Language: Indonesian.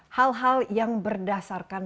hal hal yang berdasarkan